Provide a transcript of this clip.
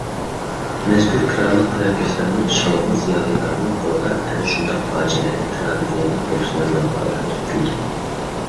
مەزكۇر كىرالىق قەلەمكەشلەرنىڭ، شالغۇت زىيالىيلارنىڭ قولىدا ئەنە شۇنداق پاجىئەلىك تىراگېدىيەنىڭ پېرسوناژلىرىغا ئايلاندۇرۇۋېتىلگەن.